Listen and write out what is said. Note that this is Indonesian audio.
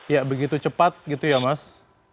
ya begitu cepat gitu ya mas